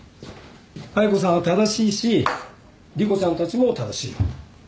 妙子さんは正しいし莉湖ちゃんたちも正しいよ。